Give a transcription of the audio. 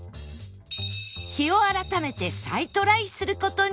日を改めて再トライする事に